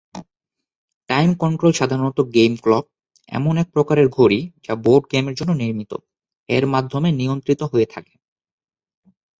Time control সাধারণত game clock, এমন এক প্রকারের ঘড়ি যা বোর্ড গেমের জন্য নির্মিত, এর মাধ্যমে নিয়ন্ত্রিত হয়ে থাকে।